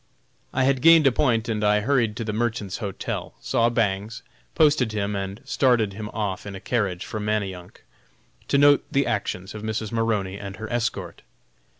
I had gained a point and I hurried to the Merchants' Hotel, saw Bangs, posted him, and started him off in a carriage for Manayunk to note the actions of Mrs. Maroney and her escort.